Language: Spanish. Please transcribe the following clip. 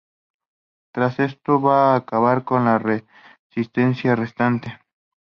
Tras esto va a acabar con la Resistencia restante.